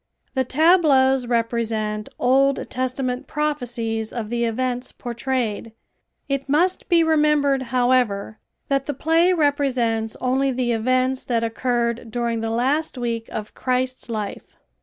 The tableaus represent Old Testament prophecies of the events portrayed. It must be remembered, however, that the play represents only the events that occurred during the last week of Christ's life.